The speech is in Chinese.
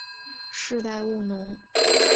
世代务农。